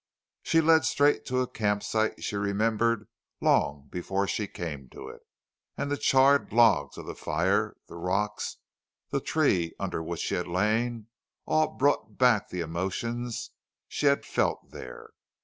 She led straight to a camp site she remembered long before she came to it; and the charred logs of the fire, the rocks, the tree under which she had lain all brought back the emotions she had felt there.